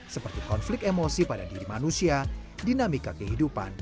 seperti konflik emosi pada diri manusia dinamika kehidupan